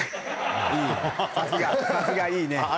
いいね